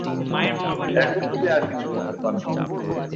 এখন তুমি আর কিছু করতে পারবে না।